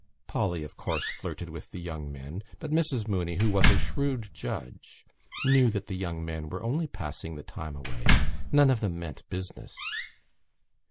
Polly, of course, flirted with the young men but Mrs Mooney, who was a shrewd judge, knew that the young men were only passing the time away: none of them meant business.